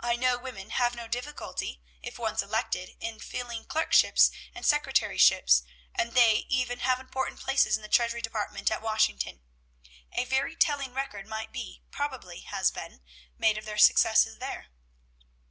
I know women have no difficulty, if once elected, in filling clerkships and secretaryships, and they even have important places in the treasury department at Washington. A very telling record might be, probably has been, made of their successes there.